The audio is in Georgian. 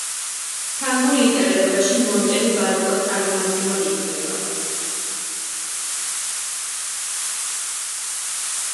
ფრანგულ ლიტერატურაში მონტენი ბაროკოს წარმომადგენლად ითვლება.